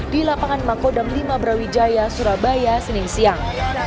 di lapangan makodam lima brawijaya surabaya senin siang